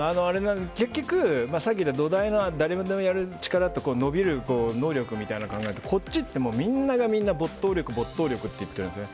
結局、さっき言った土台の誰にでもやれる力って伸びる能力みたいなのを考えるとこっちって、みんながみんな没頭力って言ってるんですね。